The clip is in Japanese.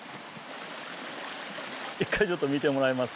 一回ちょっと見てもらえますか？